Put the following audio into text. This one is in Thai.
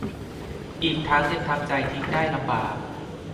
อีกทั้งยังทำใจทิ้งได้ลำบาก